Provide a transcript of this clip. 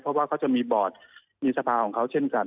เพราะว่าเขาจะมีบอร์ดมีสภาของเขาเช่นกัน